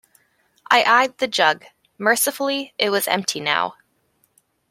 I eyed the jug. Mercifully, it was empty now.